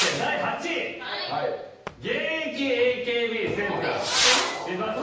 現役ＡＫＢセンター千葉さん。